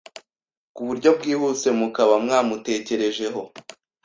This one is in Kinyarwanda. kuburyo bwihuse mukaba mwamutekerejeho